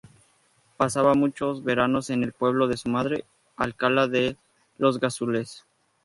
Pasaba muchos veranos en el pueblo de su madre, Alcalá de los Gazules.